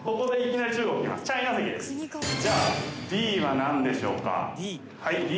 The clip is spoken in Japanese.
じゃあＤは何でしょうか？